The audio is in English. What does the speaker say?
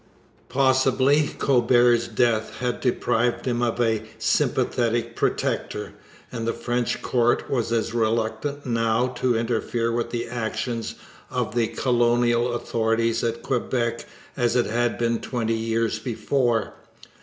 Possibly Colbert's death had deprived him of a sympathetic protector, and the French court was as reluctant now to interfere with the actions of the colonial authorities at Quebec as it had been twenty years before.